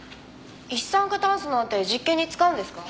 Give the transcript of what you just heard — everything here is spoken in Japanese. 一酸化炭素なんて実験に使うんですか？